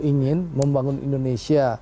ingin membangun indonesia